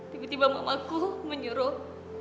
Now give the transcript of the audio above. tiba tiba mamaku menyuruh